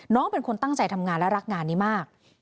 เป็นคนตั้งใจทำงานและรักงานนี้มาก